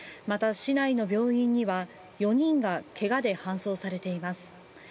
また市内の病院には４人がけがで搬送されています。